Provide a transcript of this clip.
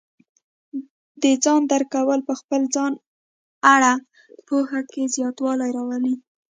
د ځان درک کول په خپل ځان اړه پوهه کې زیاتوالی راولي.